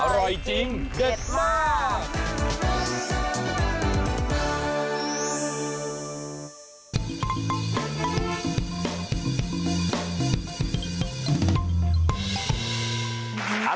อร่อยจริงเด็ดมาก